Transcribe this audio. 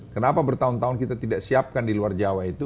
kenapa bertahun tahun kita tidak siapkan di luar jawa itu